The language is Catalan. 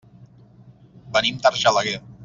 Venim d'Argelaguer.